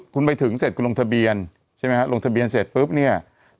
คุณไปถึงลงทะเบียนหรือลงทะเบียนเสร็จปุ๊บเนี่ย